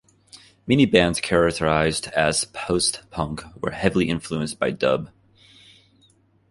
Many bands characterized as post-punk were heavily influenced by dub.